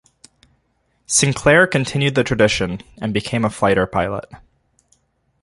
Sinclair continued the tradition and became a fighter pilot.